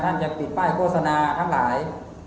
จะปิดป้ายโฆษณาทั้งหลาย